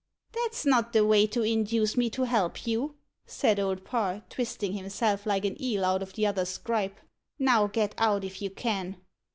"That's not the way to induce me to help you," said Old Parr, twisting himself like an eel out of the other's gripe. "Now get out, if you can."